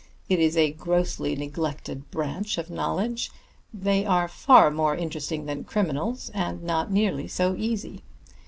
It is a grossly neglected branch of knowledge. They are far more interesting than criminals, and not nearly so easy.